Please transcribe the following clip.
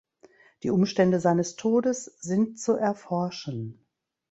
Die Umstände seines Todes sind zu erforschen.